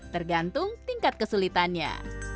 tergantung tingkat kesulitannya